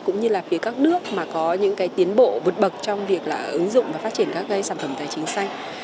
cũng như phía các nước mà có những tiến bộ vượt bậc trong việc ứng dụng và phát triển các sản phẩm tài chính xanh